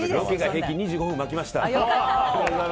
平均２５分巻きました。